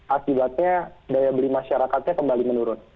akibatnya daya beli masyarakatnya kembali menurun